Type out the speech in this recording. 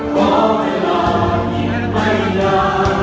เพราะเวลายิ่งไม่นาน